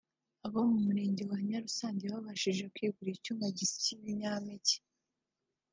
abo mu Murenge wa Nyarusange bo babashije kwigurira icyuma gisya ibinyampeke